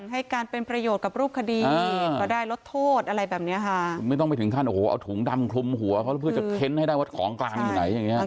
ให้การเป็นประโยชน์กับรูปคดีก็ได้ลดโทษอะไรแบบเนี้ยค่ะไม่ต้องไปถึงขั้นโอ้โหเอาถุงดำคลุมหัวเขาแล้วเพื่อจะเค้นให้ได้ว่าของกลางอยู่ไหนอย่างเงี้